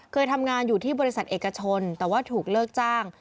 เคยทำงานอยู่ที่บริษัทเอกชนแต่ว่าถูกเลิกจ้าง